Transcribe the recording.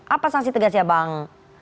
apa sanksi tegas ya bang